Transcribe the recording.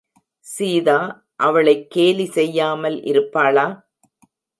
சீதா அவளைக் கேலி செய்யாமல் இருப்பாளா?